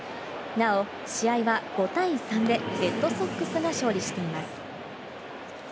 なお試合は５対３で、レッドソックスが勝利しています。